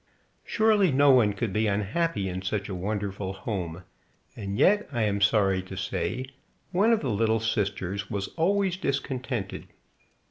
Surely no one could be unhappy in such a wonderful home, and yet, I, am sorry to say, one of the little sisters was always discontented.